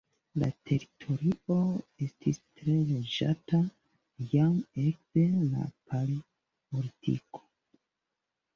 La teritorio estis tre loĝata jam ekde la Paleolitiko.